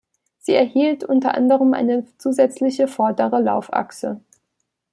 Sie erhielt unter anderem eine zusätzliche vordere Laufachse.